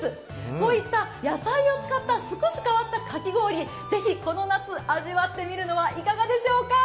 こういった野菜を使った少し変わったかき氷、ぜひ、この夏、味わってみるのはいかがでしょうか？